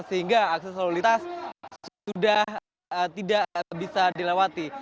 sehingga aksi solulitas sudah tidak bisa dilewati